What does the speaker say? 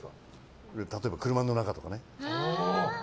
例えば車の中とかね。